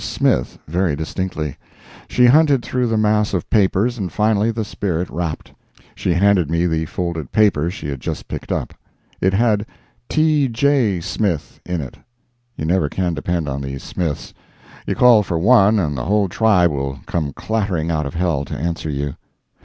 Smith" very distinctly. She hunted through the mass of papers, and finally the spirit rapped. She handed me the folded paper she had just picked up. It had "T. J. Smith" in it. (You never can depend on these Smiths; you call for one and the whole tribe will come clattering out of hell to answer you.)